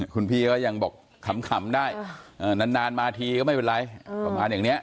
คุณพี่ก็ยังบอกขำได้นานมาทีก็ไม่เป็นไรประมาณอย่างนี้